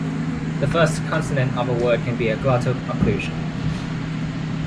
The first consonant of a word can be a glottal occlusion.